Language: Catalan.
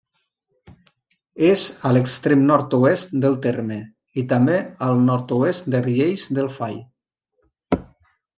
És a l'extrem nord-oest del terme, i també al nord-oest de Riells del Fai.